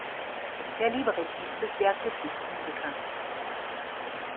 Der Librettist des Werks ist unbekannt.